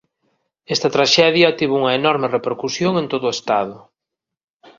Esta traxedia tivo unha enorme repercusión en todo o estado.